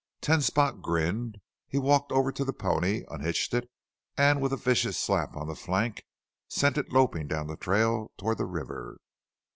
Ten Spot grinned. He walked over to the pony, unhitched it, and with a vicious slap on the flank sent it loping down the trail toward the river.